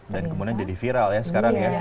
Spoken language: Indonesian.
dan kemudian jadi viral ya sekarang ya